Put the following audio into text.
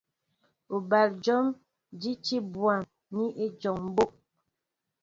Ó bol jǒm ji é tí bwâm ni ejɔŋ mbó'.